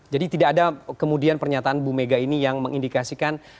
jadi tidak ada kemudian pernyataan bu mega ini yang mengindikasikan